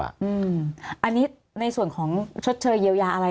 อันนี้ในส่วนของชดเชยเยียวยาอะไร